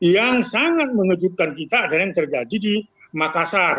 yang sangat mengejutkan kita adalah yang terjadi di makassar